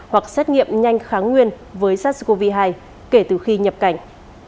hoặc xét nghiệm nhanh kháng nguyên với sars cov hai kể từ khi nhập cảnh